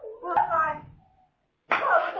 กูไม่ฟังกูจะค่อย